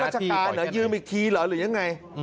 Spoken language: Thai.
ถ้าถูกมาช่วยราชการยืมอีกทีหรือยังไง